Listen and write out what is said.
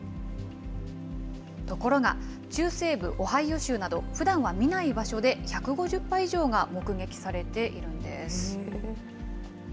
ところが、中西部オハイオ州など、ふだんは見ない場所で１５０羽以上が目撃されているんです。